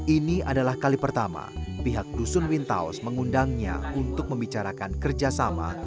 ini adalah kali pertama pihak dusun wintaos mengundangnya untuk membicarakan kerjasama